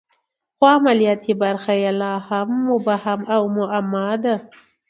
خو عملیاتي برخه یې لا هم مبهم او معما ده